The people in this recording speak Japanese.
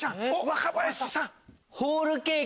若林さん。